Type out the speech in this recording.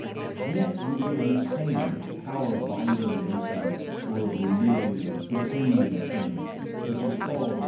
Whence we may understand, that the wer of binding and loosing, or of remitting and L 288 RELIGTON. ciiAP.xYii retaining of sins, which is called in